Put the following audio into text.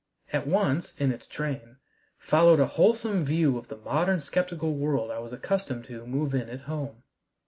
At once, in its train, followed a wholesome view of the modern skeptical world I was accustomed to move in at home.